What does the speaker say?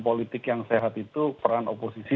politik yang sehat itu peran oposisi